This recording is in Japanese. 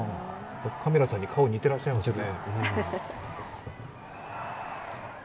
カミラさんに顔似てらっしゃいますね。